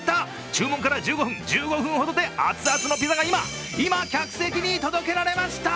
注文から１５分ほどで熱々のピザが今、今、客席に届けられました。